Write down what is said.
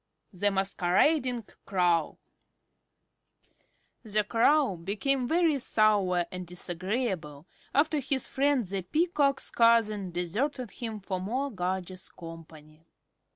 THE MASQUERADING CROW The Crow became very sour and disagreeable after his friend the Peacock's cousin deserted him for more gorgeous company.